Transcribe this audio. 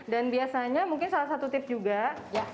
dan biasanya mungkin salah satu tips juga